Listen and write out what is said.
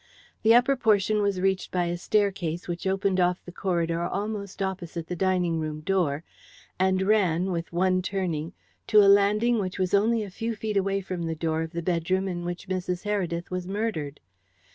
The upper portion was reached by a staircase which opened off the corridor almost opposite the dining room door, and ran, with one turning, to a landing which was only a few feet away from the door of the bedroom in which Mrs. Heredith was murdered.